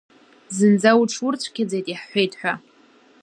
Зынӡа уҽурцәгьаӡеит, иаҳҳәеит ҳәа!